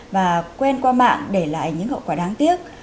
và quen qua mạng để lại những hậu quả đáng tiếc